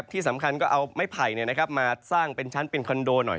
ที่สำคัญก็เอาไม้ไผ่มาสร้างเป็นชั้นเป็นคอนโดหน่อย